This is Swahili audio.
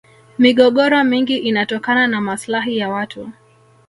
migogoro mingi inatokana na maslahi ya watu